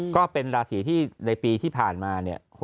ก็เป็นราศีที่ในปีที่ผ่านมาเนี่ย